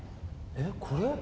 えっこれ？